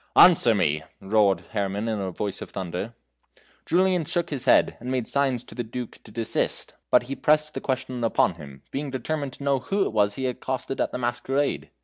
"Answer me," roared Herrman in a voice of thunder. Julian shook his head, and made signs to the Duke to desist, but he pressed the question he upon him, being determined to know who it he had accosted at the masquerade.